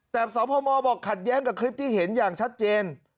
แต่สพมบอกขัดแย้งกับคลิปที่เห็นอย่างชัดเจน